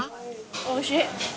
おいしい。